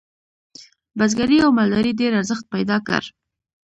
بزګرۍ او مالدارۍ ډیر ارزښت پیدا کړ.